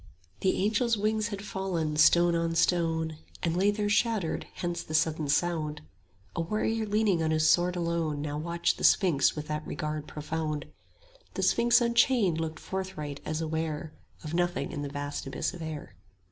The angel's wings had fallen, stone on stone, 25 And lay there shattered; hence the sudden sound: A warrior leaning on his sword alone Now watched the sphinx with that regard profound; The sphinx unchanged looked forthright, as aware Of nothing in the vast abyss of air.